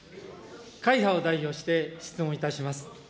会派を代表して質問いたします。